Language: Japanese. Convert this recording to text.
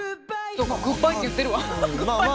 そうか「グッバイ」って言ってるわ。